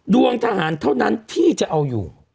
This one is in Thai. ดวงทหารเท่านั้นที่จะเอาอยู่